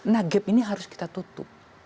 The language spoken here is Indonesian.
nah gap ini harus kita tutup